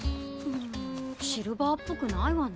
んシルバーっぽくないわねぇ。